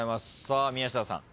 さあ宮下さん